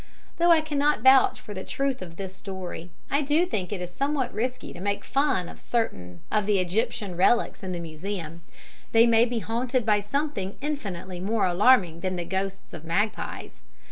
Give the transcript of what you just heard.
Though I cannot vouch for the truth of this story, I do think it is somewhat risky to make fun of certain of the Egyptian relics in the Museum. They may be haunted by something infinitely more alarming than the ghosts of magpies.